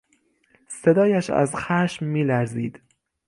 صدایش از خشم میلرزید.